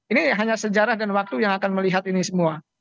ini hanya sejarah dan waktu yang akan melihat ini semua